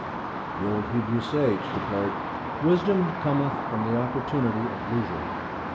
The old Hebrew sage declared, 'Wisdom cometh from the opportunity of leisure.'